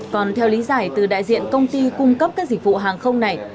còn theo lý giải từ đại diện công ty cung cấp các dịch vụ hàng không này